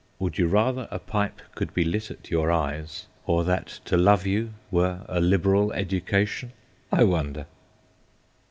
Would you rather a pipe could be lit at your eyes, or that to love you were a liberal education ? I wonder.